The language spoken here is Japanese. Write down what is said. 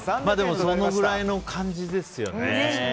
そのくらいの感じですよね。